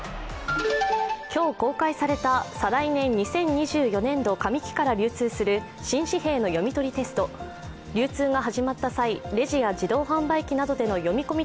今日、公開された再来年２０２４年度上期から流通する新紙幣の読み取りテスト、流通が始まった際レジや自動販売機での読み込み